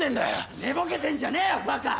寝ぼけてんじゃねえよバカ！